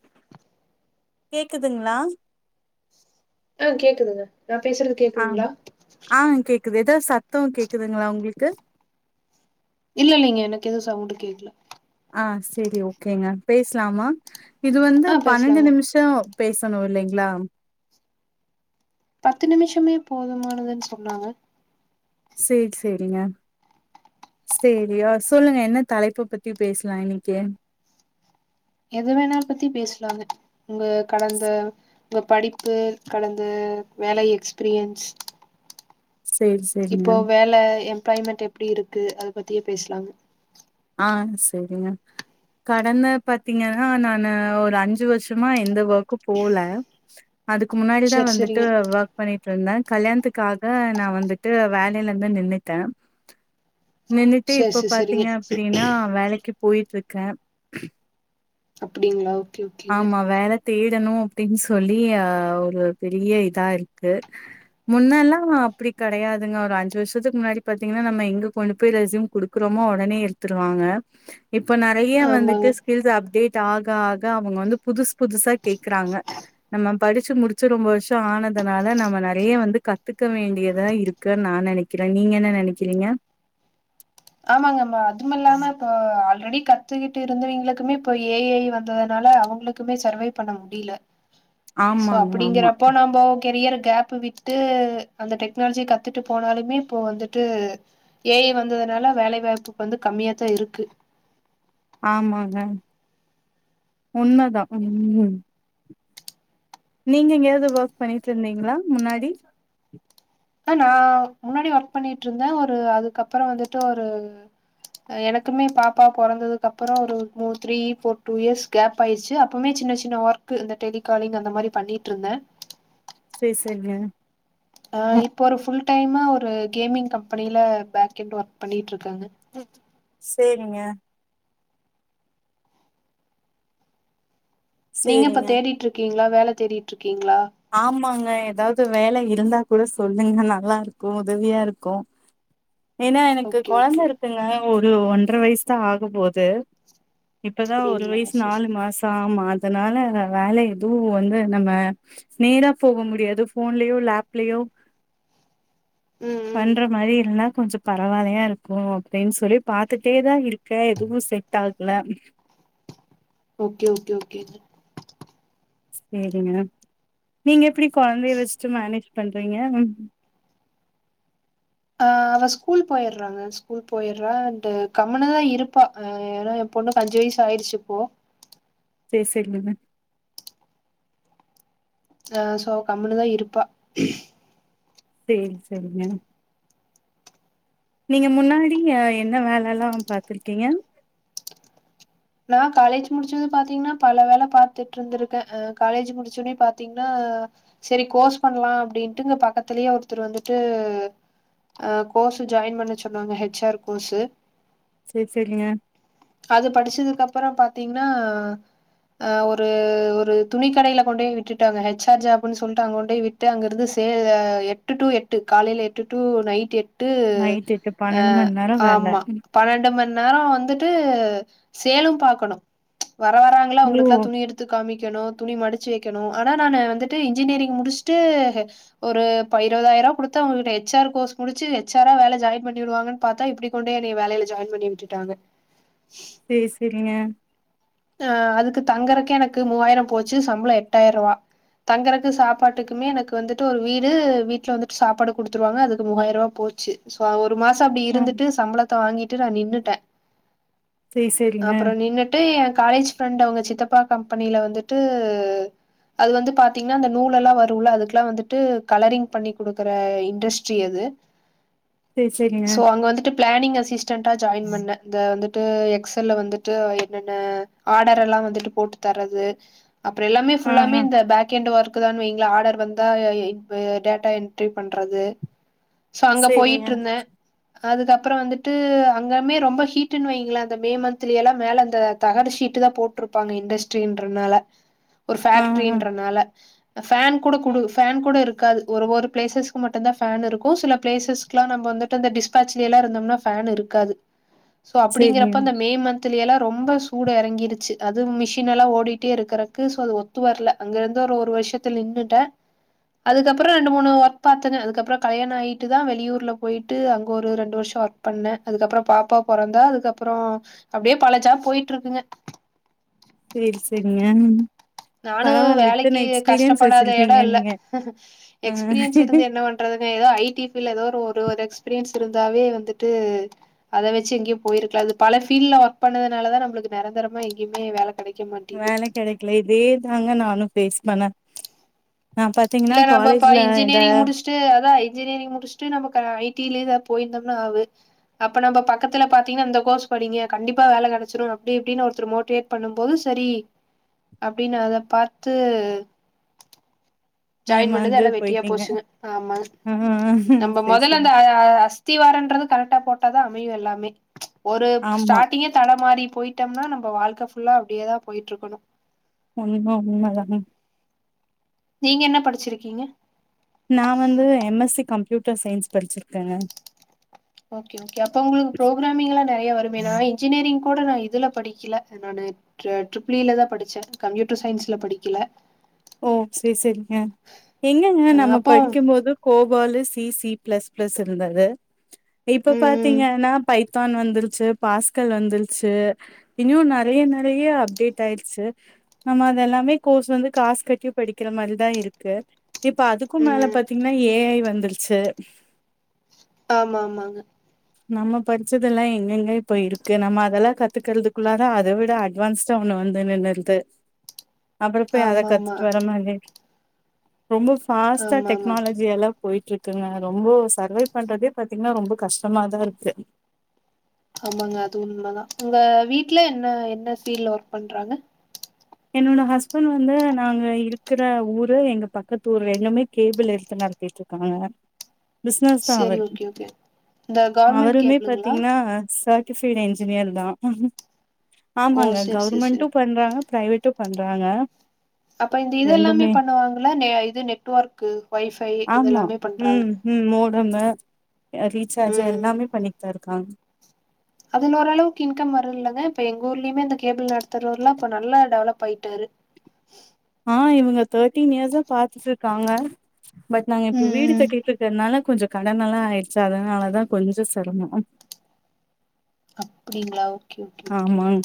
! ! கேக்குதுங்ளா ஆஹ் கேக்குதுங்க நா பேசுறது கேக்குதுங்களா ஆஹ் கேக்குது ஏதாவது சத்தோ கேக்குதுங்களா உங்களுக்கு இல்லயில்லைங்க எனக்குயெதுவு சவுண்டு கேக்கல ஹஹ் சேரி ஓகேங்க பேசலாமா இது வந்து ஆ பன்னெண்டு பேசலாங்க நிமிஷ பேசணுயில்லைங்களா? பத்து நிமிஷமே போதுமானதுன்னு சொன்னாங்க! சேரி சேரிங்க சேரியா சொல்லுங்க என்ன தலைப்ப பத்தி பேசலா இன்னிக்கு? எத வேணா பத்தி பேசலாங்க உங்க கடந்த... உங்க படிப்பு கலந்த வேல எக்ஸ்பீரியன்ஸ் சேரி சேரிங்க இப்போ வேல எம்ப்ளாய்மெண்ட் எப்டி இருக்கு அத பத்தியே பேசலாங்க ஆ சேரிங்க கடந்த பாத்தீங்கன்னா. நானு ஒரு அஞ்சு வருஷமா எந்த ஒர்க்கும் போல அதுக்கு முன்னாடிதா செரி வந்துட்டு செரிங்க ஒர்க் பண்ணிட்டுருந்த கல்யாணத்துக்காக நா வந்துட்டு வேலயிலயிருந்து நின்னுட நின்னுட்டு செரி இப்போ செரி செரிங்க பாத்தீங்க ன்னா நா வேலைக்கு போயிட்டுருக்க அப்டிங்களா ஓகே ஓகேங்க ஆமா வேலைக்கு தேடணு அப்டின்னு சொல்லி அஹ் ஒரு பெரியயிதா இருக்கு முன்னனெல்லா அப்டி கெடையாதுங்க ஒரு அஞ்சு வருஷத்துக்கு முன்னாடி பாத்தீங்கன்னா நம்ம எங்க கொண்டு போயி ரெஸியூம் கொடுக் கெரொமோ உடனே இரு எடுத்ரு வாங்க இப்ப நெறைய ஆமாங்க வந்துட்டு ஸ்கில்ஸ் அப்டேட் ஆக ஆக அவங்க வந்து புதுச புதுசா கேக்குறாங்க நம்ம படிச்சு முடிச்சு ரொம்ப வருஷ ஆனதுனால நம்ம நெறைய வந்து கத்துக்க வேண்டியதா இருக்கு க்கு நா நினைக்கிற நீங்க என்ன நினைக்கிறீங்க ஆமாங்கம்மா அதுமல்லாம இப்ப ஆல்ரெடி கத்துக்கிட்டு இருந்தவங்களுக்குமே இப்ப ஏ ஐ வந்ததுனாலே அவங்களுக்கு மே சர்வே பண்ண முடில்ல சோ ஆமாங்க ஆமா. அப்டிங்கறப்போ நம்ம கெரியர கேப் விட்டு ட்டு அந்த டெக்னாலஜியே கத்துட்டு போனாலுமே இப்போ வந்துட்டு ஏ ஐ வந்ததுனால வேலை வாய்ப்பு வந்து கம்மியா தா இருக்கு ஆமாங்க உண்மதா ம் நீங்க எங்கயாவது ஒர்க் பண்ணிட்டு இருந்தீங்களா முன்னாடி ஆ நா முன்னாடி ஒர்க் பண்ணிட்டு இருந்த ஒரு அதுக்கப்பற வந்துட்டு ஒரு எனக்குமே பாப்பா புறந்ததுக்கு அப்பறோ ஒரு மூ three four two years gap ஆயிடுச்சு அப்பவுமே சின்ன சின்ன ஒர்க்கு அந்த டெலிகாலிங் அந்த மாதிரி பண்ணிட்டுருந்த சேரி சேரிங்க ஆஹ் இப்போ ஒரு ஃபுல் டைம்மு ஒரு கேமிங் கம்பெனில பேக்எண்ட் ஒர்க் பண்ணிட்டுருக்காங்க எட் சேரிங்க நீங்க இப்ப சேரிங்க தேடிட்டுருக்கீங்களா வேல தேடிட்டுருக்கீங்களா ஆமாங்க ஏதாவது வேலையிருந்தா கூட சொல்லுங்க. நல்லாருக்கு உதவியா ருக்கு ஏனா எனக்கு ஓகே கொழந்த ஓகே இருக்குங்க. ஒரு ஒன்றரை வயசு தா ஆகபோது.. இப்பதா ஒரு அப்டிங்களா வயசு செரி செ நாலு மாசோ ஆமா அதனால வேலை எதுவு வந்து நம்ம நேரா போக முடியாது ஃபோன்லயோ இல்லே ஆப் லையோ ம் ம் பண்ற மாரி இருந்த கொஞ்சோ பரவால்லையா இருக்கு அப்டின்னு சொல்லி பாத்துட்டே தா இருக்கே எதுவு செட் ஆகல ம் ஓகே ஓகே ஓகே சேரிங்க நீங்க எப்டி கொழந்தையே வச்சுட்டு மேனேஜ் பண்றீங்க ஆஹ் அவ ஸ்கூல் போயிருறாங்க ஸ்கூல் போயிடுறா அண்ட் கம்முனுதா இருப்பா அ ஏனா எ பொண்ணுக்கு அஞ்சு வயசு ஆயிடுச்சு இப்போ சேரி சேரி லிம்மத் ஆ சோ கம்முனுதா இருப்பா சேரி செரிங்க நீங்க முன்னாடி அ என்ன வேலல்லா பாத்துருக்கீங்க நா காலேஜ் முடிச்சது பாத்தீங்கன்னா பல வேல பாத்துட்டு ருந்திருக்கே காலேஜ் முடிச்சோ உடனே பாத்தீங்கன்னா செரி கோர்ஸ் பண்லா அப்டின்ட்டு இங்க பக்கத்திலயே ஒருத்தர் வந்துட்டு அ கோர்சே ஜாயின் பண்ண சொன்னாங்க ஹெச் ஆர் கோர்ஸு சேரி சேரிங்க அது படிச்சதுக்கு அப்பறோ பாத்தீங்கன்னா ஆ ஒரு ஒரு துணி கடையில கொண்டே விட்டுட்டாங்க ஹெச் ஆர் ஜாப்புனு சொல்லிட்டு அங்க கொண்டயே விட் ட்டு அங்கருந்து சே அ எட்டு டூ எட்டு காலேல எட்டு to night Ed to night எட்டு அ பன்னெண்டு மண் நேரோ வேல ஆமா பன்னெண்டு மணி நேரோ வந்துட்டு சேலு பாக்கணு வர வராங்களா ஓ அவுங்களுக்குலா துணி எடுத் து காமிக்கணு துணி மடிச்சு வைக்கணு ஆனா நானு வந்துட்டு இன்ஜினியரிங் முடிச்சுட்டு ஒரு இப்ப இருபதாயிர ரூபா கொடுத்த உங்கிட்ட ஹெச் ஆர் கோர்ஸ் முடிச்சு ஹெச் ஆரா வேல ஜாயின் பண்ணிடுவாங்க பாத்தா இப்படி கொண்டே என்னேய வேலைல ஜாயின் பண்ணி விட்டுட்டாங்க சேரி சேரிங்க ஆஹ் அதுக்கு தங்குறக்கே எனக்கு மூவாயிர போச்சு சம்பள எட்டாயிர ரூபா தங்கறக்கு சாப்பாட்டுக்குமே எனக்கு வந்துட்டு ஒரு வீடு வீட்ல வந்துட்டு சாப்பாடு குடுத்துருவாங்க அதுக்கு மூவாயிர ரூபா போச்சு சோ ஒரு மாச அப்டி ஆ இருந்துட்டு சம்பளத்தை வாங்கிட்டு நா நின்னுட்டே சேரி சேரிங்க அப்பற நின்னுட்டு காலேஜ் ஃப்ரெண்ட் அவுங்க சித்தப்பா கம்பெனில வந்துட்டு அது வந்து பாத்தீங்ன்னா அந்த நூலல்லா வருல அதுக்ல்லா வந்துட்டு கலரிங் பண்ணி குடுக்கற இண்டஸ்ட்ரி அது சேரி சேரிங்க சோ அங்க வந்துட்டுப் பிளானிங் அசிஸ்டன்டா ஜாயின் பண்ணே இந்த வந்துட்டு எக்ஸல்ல வந்துட்டு என்னென்ன ஆடரெல்லா வந்துட்டு போட்டு தரது அப்பறோ எல்லாமே ஆ ஃபுல்லாமே ஆ இந்த பேக்கெண்டு ஒர்க் க்குதா வைங்ளே ஆடர் வந்தா இ இப் டேட்டா என்ட்ரி பண்றது சோ அங்க சேரிங்க போயிட்ருந்தே அதுக்கப்பற வந்துட்டு அங்கமே ரொம்ப ஹீட்டுன்னு வைங்ளே அந்த மே மந்த்லயெல்லா மேல அந்த தகடு ஷீட் ட்டுதா போட்ருப்பாங்க இண்டஸ்ட்ரின்றனால ஒரு ஆ ஆ ஃபேக்ட்ரின்றனால ஃபேன் கூட குடு ஃபேன் கூட இருக்காது ஒரு ஒரு பிளேசஸ்கு மட்டுந்தா ஃபேன் இருக்கு சில ப்ளேசஸ்க்லா நம்ப வந்துட்டு இந்த டிஸ்பாச்லேல்லா இருந்தோனா ஃபேன் இருக்காது சோ சேரிங்க அப்டிங்கிறப்ப அந்த மே மந்திலயெல்லா ரொம்ப சூடு எறங்கி வச்சி அது மிஷின் எல்லா ஓடிட்டே இருக்கறக்கு சோ அது ஒத்து வரல அங்கேருந்து ஒரு ஒரு வருஷத்துல நின்னுட்ட அதுக்கப்பறோ ரெண்டு மூணு ஒர்க் பார்த்தனே அதுக்கப்பறோ கல்யாண ஆயிட்டு தா வெளியூர்ல போயிட்டு அங்க ஒரு ரெண்டு வருஷோ ஒர்க் பண்ண அதுக்கப்பறோ பாப்பா பொறந்தா அதுக்கப்பறோ அப்டியே பல ஜாப் போயிட்டு இருக்குங்க சேரி சேரிங்கயன் நானு வேலைக்கி கஷ்டப்படாத எடோ வச்சிருக்கீங்க இல்ல நீங்க ஆ எக்ஸ்பீரியன்ஸ் இருந்து என்ன பண் றது ஏதோ ஐ டி பீல்ல ஏதோ ஒரு ஒரு எக்ஸ்பீரியன்ஸ் இருந்தாவே வந்துட்டு அத வச்சி எங்கயோ போயிருக்காது பல ஃபீல்ல ஒர்க் பண்ணதுனால தா நம்பளுக்கு நெரந்தரமா எங்யுமே வேல கெடை வேல கெடைக்ல இதே தாங்க நானு ஃபேஸ் பண்ண ஆ பாத்தீங்னா காலேஜ்ல இந்த டு அதா இன்ஜினியரிங் முடிச்சுட்டு நம்ம க ஐ டி லேதா போயிருந்தோம்னா ஆவு அப்ப நம்ப பக்கத்துல பாத்தீங்னா இந்த கோஸ் படிங்க கண்டிப்பா வேல கெடச்சிடு அப்டி இப்டினு ஒருத்தர் மோட்டிவேட் பண்ணும்போது சரி அப்டின்னு அத பார்த்து ஜாயின் பண்ணக ஏமாந்து அல்ல வெட்டியா போயிட்டீங்க போச்சுங்க ஆ நம்ப சரி மொதல்ல சரி இந்த அ அஸ்திவாரம்ன்றது கரெக்டா போட்ட தா அமையு எல்லாமே ஒரு ஆமா ஸ்டார்டிங்கே தட மாறி போயிட்டம்னா நம்ப வாழ்க்க ஃபுல்லா அப்டியேதா போயிட்ருக்கணு [unintelligible] உன்மதா [unintelligible] நீங்க என்ன படிச்சிருக்கீங்க நா வந்து M S C computer science படிச்சிருக்கங்க ஓகே ஓ எப்ப உங்களுக்கு ப்ரோகராமிங்ளா நெறையா வருமேன்னா இன்ஜினியரிங் கூட நா இதுல படிக்கில நானு ஜடுப்பில்ல தா படிச்ச கம்ப்யூட்டர் சயின்ஸ்ல படிக்கல ஓ சேர் சேரிங்க எங்கங்க அ நம்ம அப்போ படிக்கும் போது Gopalu C C plus plus இருந்தது இப்ப பாத்தீங் ம் எனாப் பைவ் தான் வந்துருச்சி பாஸ்கள் வந்துருச்சே இன்யூ நறைய நறைய அப்டேட் ஆயிடுச்சு நம்ம அதெல்லாமே கோர்ஸ் வந்து காஸ் கட்டி படிக்குற மாரிதா இருக்கு இப்ப அதுக்கு மேல ம் பாத்தீங்னா ஏ ஐ வந்துருச்சே ஆமா ஆமாங்க நம்ம படிச்சதெல்லா எங்கெங்க இப்ப இருக்கு நம்ம அதெல்லா கத்துக்கறதுக்குள்ளாரா அத விட அட் வான்ஸ்டா ஒன்னு வந்து நின்னுறுது அப்பற பேய் அத ஆமா ஆமா கத்துட்டு வர மாரி ரொம்ப ஃபாஸ்ட்டா ஆமா ஆமா டெக்னாலஜி எல்லா போயிட்ருக்குங்க ரொம்போ சர்வைவ் பண்றதே பாத்தீங்னா ரொம்ப கஷ் டமாதாருக்கு ஆமாங்க அது உண்மதா உங்க வீட்ல என்ன என்ன ஃபீல்ட்ல ஒர்க் பண்றாங்க என்னோட ஹஸ்பண்ட் வந்து நாங்க இருக்கற ஊரு எங்க பக்கத்து ஊர்ல எங்கமே கேபிள் எடுத்து நடத்திட்டு அ அ பிசினஸ் தா செரி அவர் ஓகே ஓகே இந்த கவர்மெண்ட் அவருமே கேபிளுங்களா பாத்தீங்னா சர் ஃப்பிடே என்ஜினியர் தா ஓ ஆமாங்க செரி செரி செரி கவர்மெண்டு பண்றாங்க பிரைவேட் டு பண்றாங்க அப்ப இந்த இது எல்லாமே ரெண்டுமே பண்ணுவாங்கள இது நெட்ஒர்க்கு ஒய் ஃபை ஆமா இதலாமே பண்றாங்க ம் ம் மோட்டம்மு ஏ ரீசார்ஜ்ஜு ம் எல்லாமே பண்ணிட்டு தா இருக்காங்க அது ஓரளவுக்கு இன்கம் வர இலைங்க இப்ப எங்க ஊர்லயுமே அந்த கேபிள் நடத்துறவர்லா இப்போ நல்லா டெவலப் ஆயிட்டாரு ஆ இவங்க தேர்டீன் இயர்ஸ்சா பார்த்துட்டு இருக்காங்க பட் நாங்க இப்ப வீடு ம் கட்டிட்டு இருக்கிறதுனால கொஞ்சோ கடன் எல்லா ஆயிடுச்சு அதனாலதா கொஞ்சோ செரமோ அப்டிங்களா ஓகே ஓகே ஓகே ஆமாங்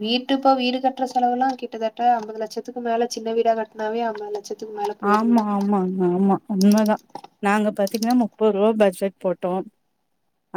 வீட்டு இப்போ வீடு கட்டுற செலவு எல்லா கிட்டத்தட்ட அம்பது லட்சத்துக்கு மேல சின்ன வீடா கட்டினாவே அம்பது லட்ச ஆமா ஆமாங்க ஆமா உண்மதா நாங்க பாத்தீங்கன்னா முப்பது ரூபா பட்ஜெட் போட்டோ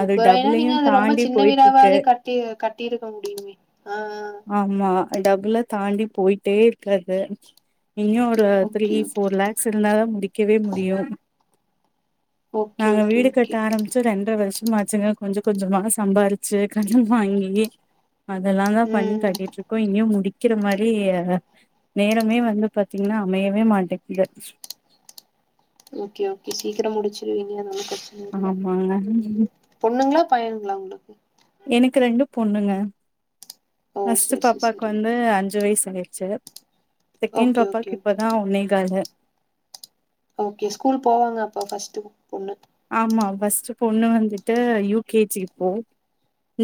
அது முப்பது ரூபாயனா டபுளையு நீங்க அது ரொம்ப தாண்டி சின்ன போயிட்டு இருக்கு விடாவாவே கட்டி கட்டி இருக்க முடியுமே ஆ ஆமா, டபுள்ல தாண்டி போயிட்டே இருக்கு அது இன்னு ஒ ரு three okay okay four lakhs இருந்தாதா முடிக்கவே முடியு ஓகே நாங்க ஓகே வீடு கட்ட ஓகே ஆரம்பிச் சி ரெண்ட்ர வருஷமாச்சுங்க கொஞ்ச கொஞ்சமா சம்பாரிச்சு கடன் வாங்கி அதெல்லா தா பண்ணி ம் கட்டிட்ருக் க்கோ இங்கயு முடிக்கிற மாரி நேரமே வந்து பாத்தீங்ன்னா அமையவே மாட்டேங்குது ஓகே ஓகே சீக்கிர முடிச்சுருவீங்க நமக்கு ஆமாங்க பொண்ணுங்ளா பையனுங்ளா உங்களுக்கு எனக்கு ரெண்டும் பொண்ணுங்க, ஓ ஃபர்ஸ்ட்டு சேரி சேரி பாப்பாவுக்கு சேரிங்க வந்து அஞ்சு வயசாயிருச்சு செக்கேன்ட் ஓகே ஓகே பாப்பாக்கு ஓகே இப்பதா ஒன்னேகாலு ஓகே ஸ்கூல் போவாங்க அப்ப ஃபர்ஸ்ட் பொண்ணு ஆமா ஃபஸ்ட்டு பொண்ணு வந்துட்டு யூ கே ஜி இப்போ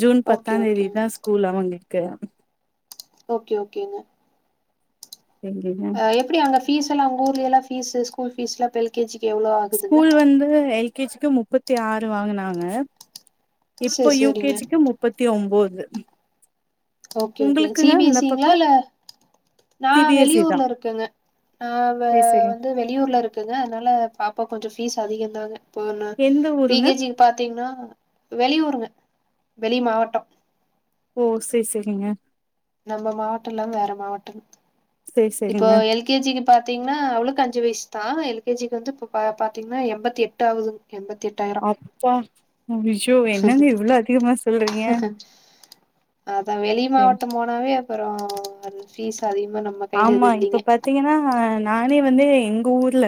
ஜூன் பத்தா ஓகே, ஓகேங்க. தேதிதா ஸ்கூல் அவுங்களுக்கு ஓகே ஓகேங்க எங்கங்க அ எப்படி அங்க ஃபீஸ் எல்லா ஊர்ல எல்லா ஃபீஸ் ஸ்கூல் ஃபீஸ்லா இப்ப எல் கே ஜி க்கு எவ்ளோ ஆ ஸ்கூல் வந்து எல் கே ஜிக்கு மு முப்பத்தி ஆறு வாங்குனாங்க இப்போ சரி, யூ கே சரிங்க. ஜிக்கு முப்பத்தி ஒம்போது ஓகே ஓகே சி உங்களுக்குங்க பி அந்த எஸ் சிங்களா பக்கோ இல்ல நா சி பி எஸ் இ தா வெளியூர்ல இருக்கங்க, நா வ சேரி சேரிங்க வந்து வெளியூர்ல இருக் கங்க அதனால பாப்பா க்கு கொஞ்சோ ஃபீஸ் அதிகந்தாங்க போன எந்த ப்ரீ ஊருங்க கே ஜி பாத்தீங்கனா வெளியூருங்க வெளி மாவட்டோ ஓ செரி செரிங்க நம்ம மாவட்டோ இல்லாம வேற மாவட்டம் சேரி இப்போ சேரிங்க எல் கே ஜிக்கு பாத்தீங்னா அவளுக்கு அஞ்சு வயசுதா எல் கே ஜிக்கு வந்து இப்ப ப பாத்தீங்னா எம்பத்தி எட்டு ஆவுதுங் எண்பத்தி எட்டு அப்பா ஐய்யோ என்னங்க இவ்ளோ அதிகமா சொல்றீங்க அதா வெளி சரி. மாவட்டம் போனாவே அப்பறோ அது ஃபீஸ் அதிகமா நம்ம கையில எது ஆமா இல்லைங்க இப்ப பாத்தீங்கனா நானே வந்து எங்க ஊர்ல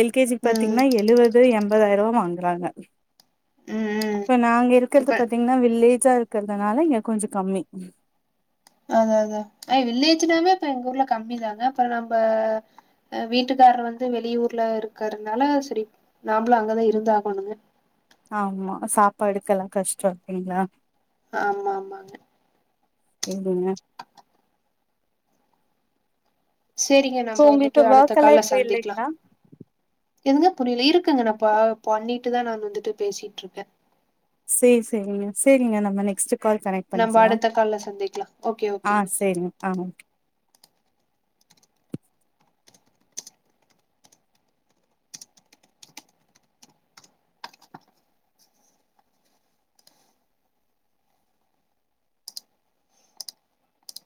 எல் கே ஜி ம் பாத்தீங்னா எழுவது எண்பதாயிரரூவா வாங்குறாங்க ம் ம் இப்ப நாங்க இருக்கறது இப்ப பாத்தீங்கன்னா வில்லேஜா இருக்கறதுனால இங்க கொஞ்சோ கம்மி அதா அதா அ வில்லேஜ்னாவே இப்ப எங்க ஊர்ல கம்மிதாங்க அப்பறோ நம்ப அ வீட்டுக்காரர் வந்து வெளியூர்ல இருக்கறதுனால சேரி நாம்மளு அங்கதா இருந்தாகணுங்க ஆமா, சாப்பாடுக்கெல்லா கஷ்டோ இல்லைங்ளா ஆமா ஆமாங்க எங்கங்க சேரிங்க சோ நம்ப வந்துட்டு உங்களுக்கு அடுத்த ஒர்க் எல்லா கால்ல இப்ப சந்திக்லா இல்லைங்களா எதுங்க புரில இருக்குங்க நா ப பண்ணிட்டுதா நா வந்துட்டு பேசிட்டு இருக்கே சேரி, சேரிங்க, சேரிங்க நம்ம நெக்ஸ்ட் கால் கனக்ட் நம்ம பண்ணிக்லா அடுத்த கால்ல சந்திக்கலா ஓகே ஆ ஓகேங்க செரிங் ஆ ஓகே